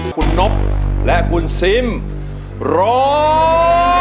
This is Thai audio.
คุณนบและคุณซิมร้อง